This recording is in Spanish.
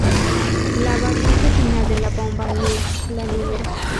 La variante final de la Bomba Mills, la No.